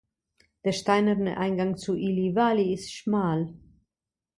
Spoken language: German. Der steinerne Eingang zu Ili Vali ist schmal.